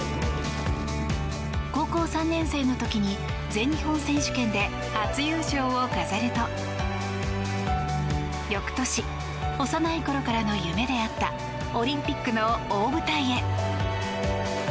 高校３年の時に全日本選手権で初優勝を飾ると翌年、幼いころからの夢であったオリンピックの大舞台へ。